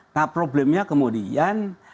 nah problemnya kemudian